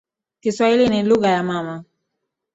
Kiswahili ni lugha ya mama